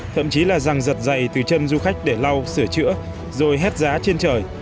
thậm chí là rằng giật giày từ chân du khách để lau sửa chữa rồi hết giá trên trời